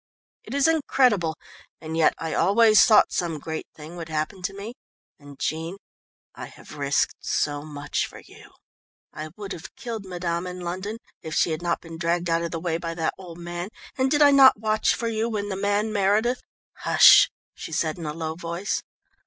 "It is incredible, and yet I always thought some great thing would happen to me, and, Jean, I have risked so much for you. I would have killed Madame in London if she had not been dragged out of the way by that old man, and did I not watch for you when the man Meredith " "Hush," she said in a low voice.